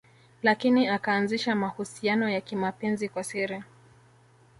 Lakini akaanzisha mahusiano ya kimapenzi kwa siri